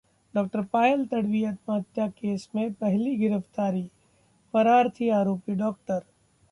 डॉ. पायल तडवी आत्महत्या केस में पहली गिरफ्तारी, फरार थी आरोपी डॉक्टर